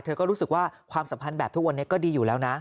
เธอก็รู้สึกว่าความสัมพันธ์แบบทุกวันนี้ก็ดีอยู่แล้วนะ